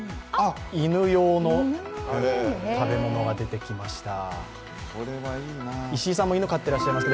犬用の食べ物が出てきました。